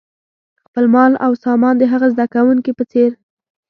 خپل مال او سامان د هغه زده کوونکي په څېر.